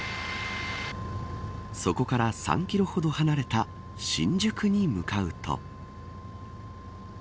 そこから３キロほど離れた新宿に向かうと。